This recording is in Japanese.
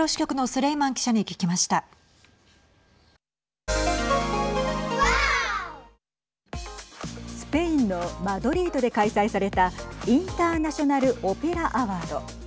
スペインのマドリードで開催されたインターナショナル・オペラ・アワード。